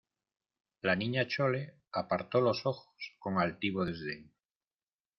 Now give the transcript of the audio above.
la Niña Chole apartó los ojos con altivo desdén: